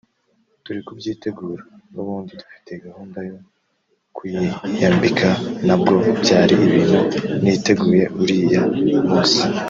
turi kubyitegura n’ubundi dufite gahunda yo kuyinyambika nabwo byari ibintu niteguye uriya munsi